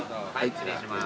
失礼します。